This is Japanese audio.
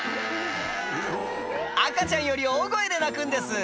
「赤ちゃんより大声で泣くんです！」